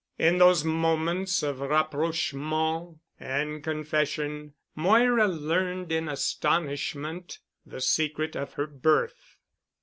In those moments of rapprochement and confession, Moira learned in astonishment the secret of her birth.